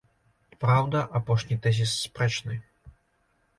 Праўда, апошні тэзіс спрэчны.